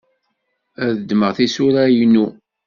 Ad ddmeɣ tisura-inu.